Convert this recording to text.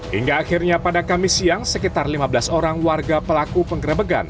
hingga akhirnya pada kamis siang sekitar lima belas orang warga pelaku penggerebegan